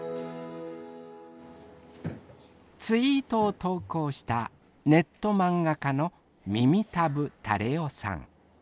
ツイートを投稿したネット漫画家のみみたぶタレ代さん。